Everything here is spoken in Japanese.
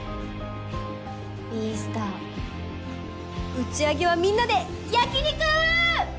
打ち上げはみんなで焼き肉！